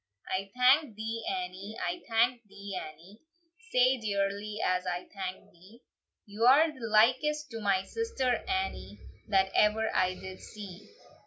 "I thank thee, Annie; I thank thee, Annie, Sae dearly as I thank thee; You're the likest to my sister Annie, That ever I did see.